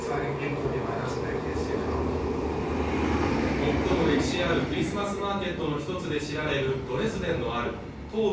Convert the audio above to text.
最も歴史あるクリスマスマーケットのひとつで知られるドレスデンのある東部